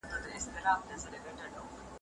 خپلي موندني د ټولني له حالاتو سره پرتله کړه.